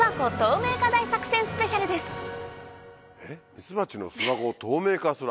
ミツバチの巣箱を透明化する。